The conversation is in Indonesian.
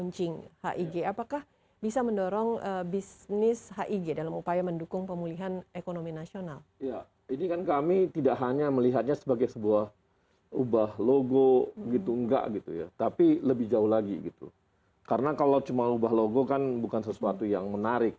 cuma mengubah logo kan bukan sesuatu yang menarik